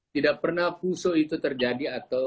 tidak pernah pusuh itu terjadi atau